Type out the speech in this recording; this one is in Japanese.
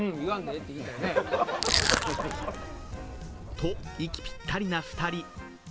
と息ぴったりな２人。